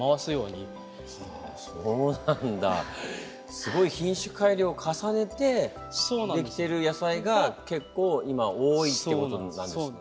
すごい品種改良を重ねてできてる野菜が結構今多いってことなんですね。